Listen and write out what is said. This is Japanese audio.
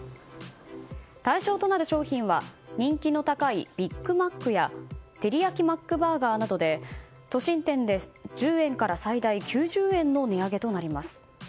対象となる商品は人気の高いビッグマックやてりやきマックバーガーなどで都心店で１０円から最大９０円の値上げとなります。